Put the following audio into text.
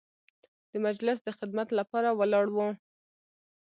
د مجلس د خدمت لپاره ولاړ وو.